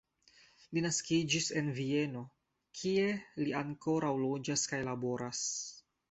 Li naskiĝis en Vieno, kie li ankoraŭ loĝas kaj laboras.